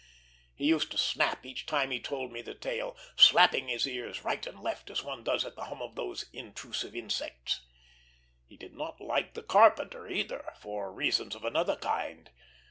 he used to snap, each time he told me the tale, slapping his ears right and left, as one does at the hum of those intrusive insects. He did not like the carpenter, either, for reasons of another kind.